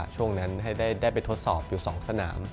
ช่วงนั้นให้ได้ไปทดสอบอยู่๒สนาม